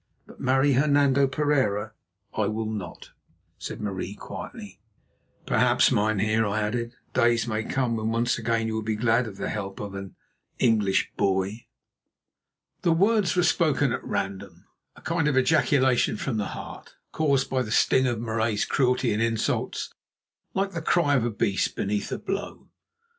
But marry Hernando Pereira I will not," said Marie quietly. "Perhaps, mynheer," I added, "days may come when once again you will be glad of the help of an 'English boy.'" The words were spoken at random, a kind of ejaculation from the heart, caused by the sting of Marais's cruelty and insults, like the cry of a beast beneath a blow.